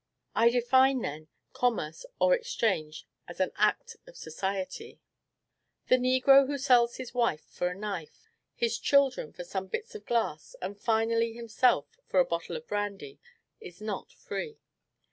I define, then, commerce or exchange as an act of society. The negro who sells his wife for a knife, his children for some bits of glass, and finally himself for a bottle of brandy, is not free.